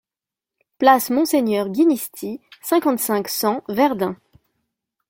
Place Monseigneur Ginisty, cinquante-cinq, cent Verdun